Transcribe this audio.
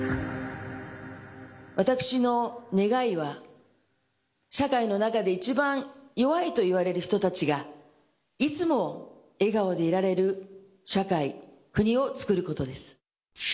私の願いは、社会の中で一番弱いといわれる人たちがいつも笑顔でいられる社会、国をつくることです。